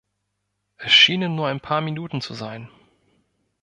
Es schienen nur ein paar Minuten zu sein.